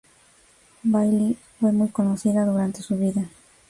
Baillie fue muy conocida durante su vida.